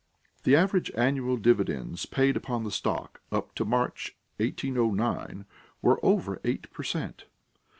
The average annual dividends paid upon the stock up to March, 1809, were over eight per cent.